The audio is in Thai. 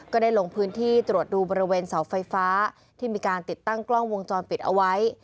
ก็ได้ลงพื้นที่ตรวจดูบริเวณเสาไฟฟ้าที่มีการติดตั้งกล้องวงจรปิดเอาไว้